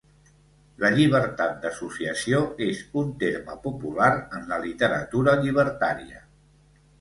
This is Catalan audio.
La llibertat d'associació és un terme popular en la literatura llibertària.